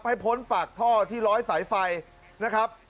พ้นปากท่อที่ร้อยสายไฟนะครับ